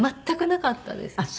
全くなかったです。